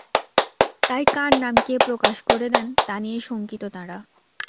তাই কার নাম কে প্রকাশ করে দেন, তা নিয়ে শঙ্কিত তাঁরা।